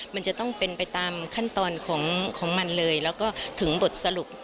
มันจะต้องเป็นไปตามขั้นตอนของมันเลยแล้วก็ถึงบทสรุป